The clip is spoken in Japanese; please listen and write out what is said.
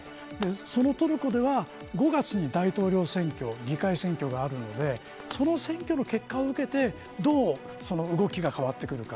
そのトルコでは５月に大統領選挙、議会選挙があるのでその選挙の結果を受けてどう動きが変わってくるか